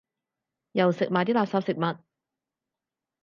又食埋啲垃圾食物